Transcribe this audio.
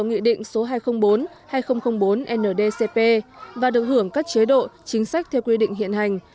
nghị định số hai trăm linh bốn hai nghìn bốn ndcp và được hưởng các chế độ chính sách theo quy định hiện hành